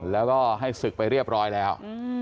แล้วก็ให้ศึกไปเรียบร้อยแล้ว